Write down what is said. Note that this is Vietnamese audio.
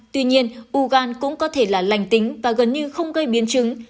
tuy nhiên u gan cũng có thể là lành tính và gần như không gây biến chứng